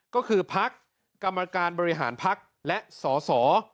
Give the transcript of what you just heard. ก็คือพักกรรมการบริหารพักและสส